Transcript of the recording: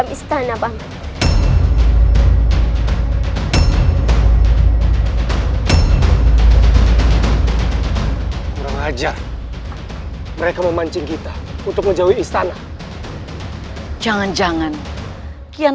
istana banget hai uang ajar mereka memancing kita untuk menjauhi istana jangan jangan kian